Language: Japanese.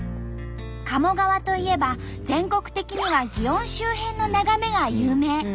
鴨川といえば全国的には園周辺の眺めが有名。